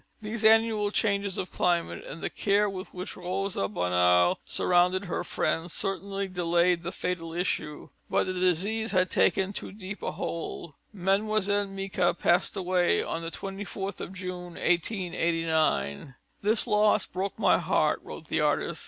These annual changes of climate and the care with which Rosa Bonheur surrounded her friend certainly delayed the fatal issue. But the disease had taken too deep a hold. Mlle. Micas passed away on the 24th of June, 1889. "This loss broke my heart," wrote the artist.